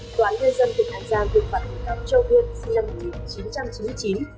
tòa nghe dân tỉnh an giang được phạm thủ đạo châu phiên sinh năm một nghìn chín trăm chín mươi chín